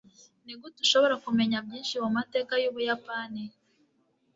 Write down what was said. Nigute ushobora kumenya byinshi ku mateka y'Ubuyapani?